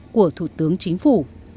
của thủ tướng chính phủ